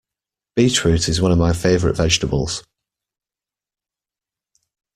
Beetroot is one of my favourite vegetables